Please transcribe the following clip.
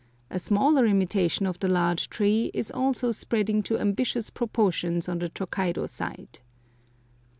A smaller imitation of the large tree is also spreading to ambitious proportions on the Tokaido side.